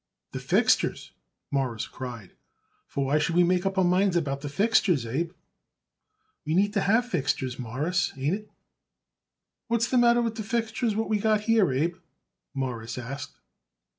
"The fixtures!" Morris cried. "For why should we make up our minds about the fixtures, Abe?" "We need to have fixtures, Mawruss, ain't it?" "What's the matter with the fixtures what we got it here, Abe?" Morris asked.